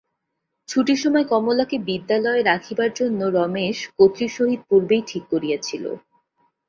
ছুটির সময়ে কমলাকে বিদ্যালয়েই রাখিবার জন্য রমেশ কর্ত্রীর সহিত পূর্বেই ঠিক করিয়াছিল।